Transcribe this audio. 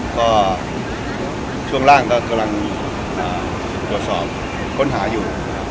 ก็ช่วงล่างก็กำลังตรวจสอบค้นหาอยู่นะครับ